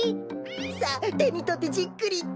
さあてにとってじっくりと。